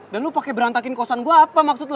dan lo pakai berantakin kosan gue apa maksud lo